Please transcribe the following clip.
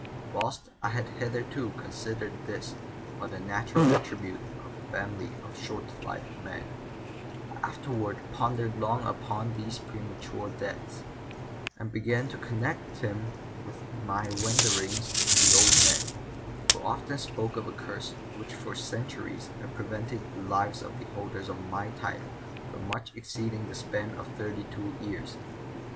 Whilst I had hitherto considered this but a natural attribute of a family of short lived men, I afterward pondered long upon these premature deaths, and began to connect them with the wanderings of the old man, who often spoke of a curse which for centuries had prevented the lives of the holders of my title from much exceeding the span of thirty two years.